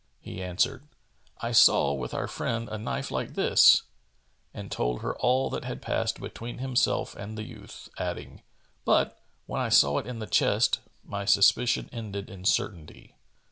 He answered, "I saw with our friend a knife like this," and told her all that had passed between himself and the youth, adding, "But, when I saw it in the chest, my suspicion ended in certainty."